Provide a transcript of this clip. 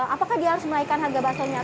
apakah dia harus menaikkan harga basahnya